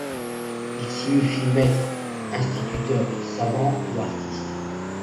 Il signifie maître, instituteur, savant ou artiste.